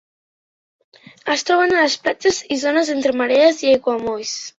Es troben a les platges i zones entre marees i aiguamolls.